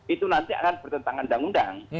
itu nanti akan bertentangan dengan undang undang